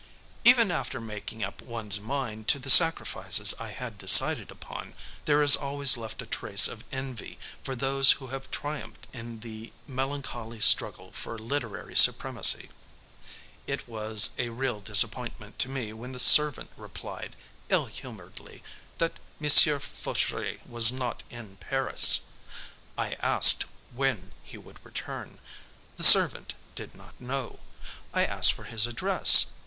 Even after making up one's mind to the sacrifices I had decided upon, there is always left a trace of envy for those who have triumphed in the melancholy struggle for literary supremacy. It was a real disappointment to me when the servant replied, ill humoredly, that M. Fauchery was not in Paris. I asked when he would return. The servant did not know. I asked for his address.